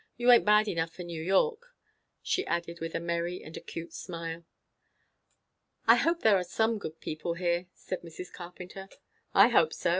You aint bad enough for New York," she added with a merry and acute smile. "I hope there are some good people here," said Mrs. Carpenter. "I hope so.